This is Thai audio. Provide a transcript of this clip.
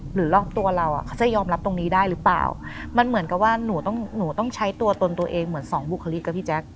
หรือรอบตัวเราอ่ะเขาจะยอมรับตรงนี้ได้หรือเปล่ามันเหมือนกับว่าหนูต้องหนูต้องใช้ตัวตนตัวเองเหมือนสองบุคลิกอะพี่แจ๊ค